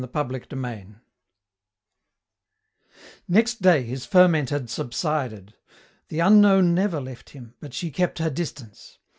CHAPTER VIII Next day his ferment had subsided. The unknown never left him, but she kept her distance.